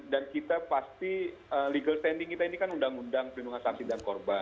dan kita pasti legal standing kita ini kan undang undang perlindungan saksi dan korban